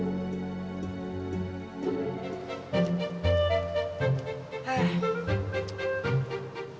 terima kasih banyak banyak